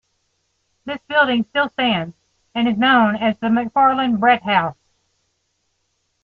This building still stands and is known as the Macfarlane Bredt House.